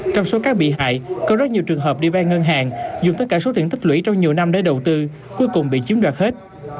trong số các bị hại có rất nhiều trường hợp đi vay ngân hàng dùng tất cả số tiền tích lũy trong nhiều năm để đầu tư cuối cùng bị chiếm đoạt hết